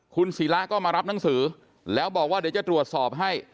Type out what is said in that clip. คุณศิระก็มารับหนังสือแล้วบอกว่าเดี๋ยวจะตรวจสอบให้